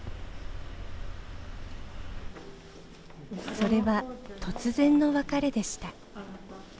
それは突然の別れでした。